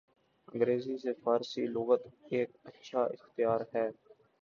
انگریزی سے فارسی لغت ایک اچھا اختیار ہے۔